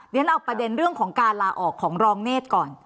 เรียนเอาประเด็นเรื่องของการลาออกของรองเนธก่อน